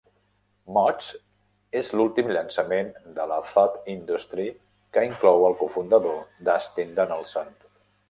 "Mods" és l'últim llançament de la Thought Industry que inclou el cofundador Dustin Donaldson.